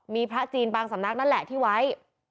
มีพระจีนบางสำนักนั่นแหละที่ไว้